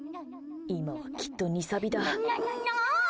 今はきっと２サビだ。